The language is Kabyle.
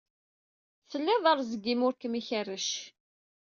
Tlid rezg imi ur ken-ikerrec